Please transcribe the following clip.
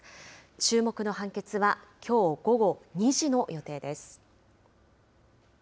注目の判決はきょう午後２時の予定です。